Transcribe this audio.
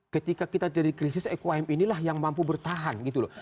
ketika kita jadi krisis ekm inilah yang mampu bertahan gitu loh